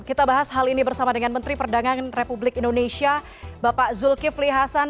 kita bahas hal ini bersama dengan menteri perdagangan republik indonesia bapak zulkifli hasan